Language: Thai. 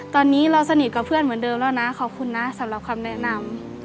ตอนนี้เราสนิทกับเพื่อนเหมือนเดิมแล้วนะขอบคุณนะสำหรับคำแนะนำ